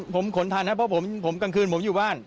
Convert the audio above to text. ผมขนทันครับเพราะผมกลางคืนผมอยู่บ้าน